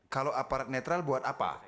kalau aparat netral buat apa